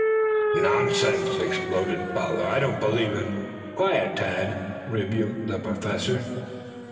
"Nonsense!" exploded Butler. "I don't believe it." "Quiet, Tad," rebuked the Professor.